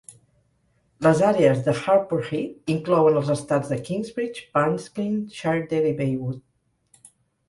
Les àrees de Harpurhey inclouen els estats de Kingsbridge, Barnes Green, Shiredale i Baywood.